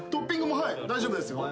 はい大丈夫ですよ。